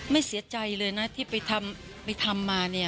เสียใจเลยนะที่ไปทำมาเนี่ย